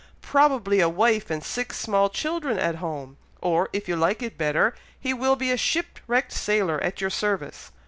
Probably a wife and six small children at home, or, if you like it better, he will be a shipwrecked sailor at your service.